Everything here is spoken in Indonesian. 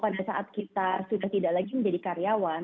pada saat kita sudah tidak lagi menjadi karyawan